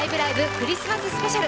クリスマススペシャル」。